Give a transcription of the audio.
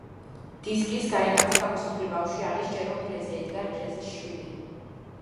დისკის გარეკანზე გამოსახული ბავშვი არის ჯერომ ფრეზე, ედგარ ფრეზეს შვილი.